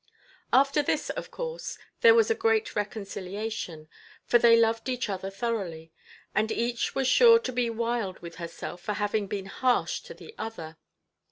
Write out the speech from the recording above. After this, of course, there was a great reconciliation. For they loved each other thoroughly; and each was sure to be wild with herself for having been harsh to the other.